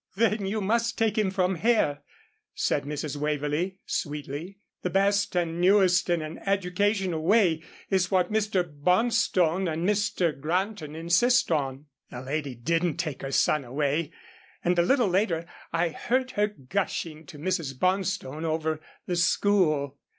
"Then you must take him from here," said Mrs. Waverlee sweetly. "The best and newest in an educational way is what Mr. Bonstone and Mr. Granton insist on." The lady didn't take her son away, and a little later I heard her gushing to Mrs. Bonstone over the school.